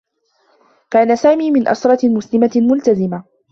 كان سامي من أسرة مسلمة ملتزمة.